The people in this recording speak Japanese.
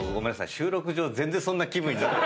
収録上全然そんな気分じゃない。